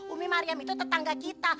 umi mariam itu tetangga kita